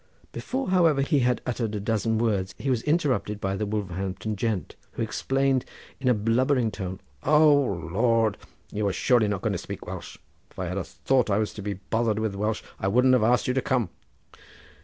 Before, however, he had uttered a dozen words he was interrupted by the Wolverhampton gent, who exclaimed in a blubbering tone: "O Lord, you are surely not going to speak Welsh. If I had thought I was to be bothered with Welsh I wouldn't have asked you to come."